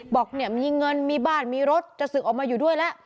บอกเนี่ยมีเงินมีบ้านมีรถจะศึกออกมาอยู่ด้วยแล้ว